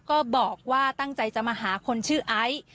ก็บอกว่าตั้งใจจะมาหาคนชื่อไอซ์